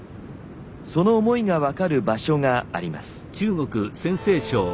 その思いが分かる場所があります。